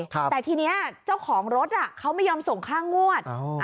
แต่ทีนี้เจ้าของรถเขาไม่ยอมส่งค่างวด